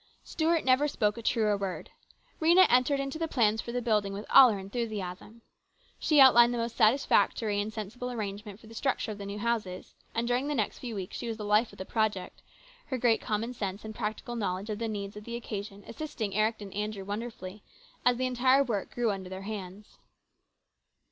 Stuart never spoke a truer word. Rhena entered into the plans for the building with all her enthusiasm. She outlined the most satisfactory and sensible arrangement for the structure of the new houses ; and during the next few weeks she was the life of the project, her great common sense and practical know ledge of the needs of the occasion assisting Eric and THE CONFERENCE. k 255 Andrew wonderfully, as the entire work grew under their hands.